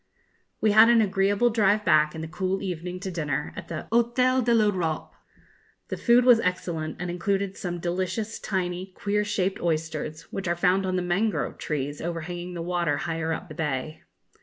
We had an agreeable drive back in the cool evening to dinner at the Hôtel de l'Europe. The food was excellent, and included some delicious tiny queer shaped oysters, which are found on the mangrove trees, overhanging the water higher up the bay.